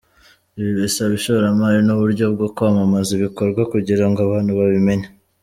Ibi bisaba ishoramari n’uburyo bwo kwamamaza ibikorwa kugira ngo abantu babimenye.